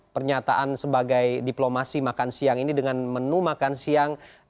pernyataan sebagai diplomasi makan siang ini dengan menu makan siang